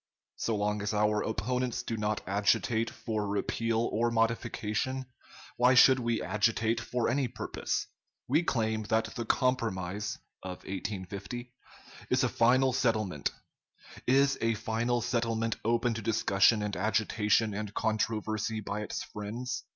So long as our opponents do not agitate for repeal or modification, why should we agitate for any purpose! We claim that the compromise [of 1850] is a final settlement. Is a final settlement open to discussion and agitation and controversy by its friends?